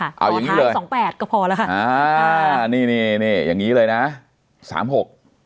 เอาอย่างงี้สองแปดก็พอแล้วค่ะอ่าอ่านี่นี่อย่างงี้เลยนะสามหก